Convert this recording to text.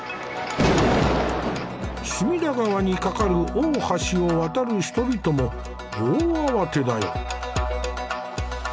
隅田川に架かる大橋を渡る人々も大慌てだよ。